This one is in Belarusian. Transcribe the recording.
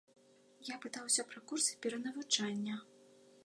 Я пытаўся пра курсы перанавучання.